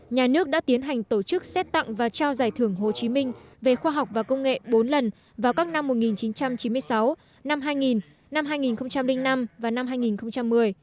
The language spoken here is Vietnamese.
nhà nước đã tiến hành tổ chức xét tặng và trao giải thưởng hồ chí minh về khoa học và công nghệ bốn lần vào các năm một nghìn chín trăm chín mươi sáu năm hai nghìn hai và năm hai nghìn một mươi